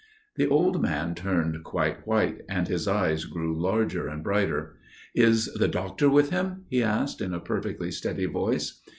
The old man turned quite white, and his eyes grew larger and brighter. "Is the doctor with him?" he asked, in a perfectly steady voice.